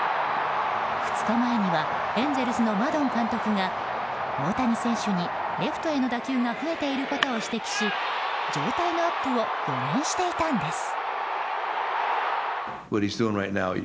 ２日前にはエンゼルスのマドン監督が大谷選手にレフトへの打球が増えていることを指摘し状態のアップを予言していたんです。